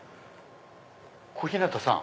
小日向さん。